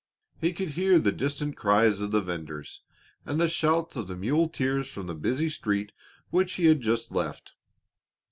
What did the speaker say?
He could hear the distant cries of the venders, and the shouts of the muleteers from the busy street which he had just left.